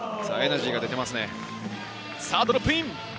ドロップイン。